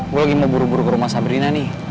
gue lagi mau buru buru ke rumah sabrina nih